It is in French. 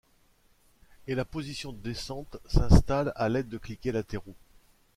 Et la position de descente s’installe à l’aide de cliquets latéraux.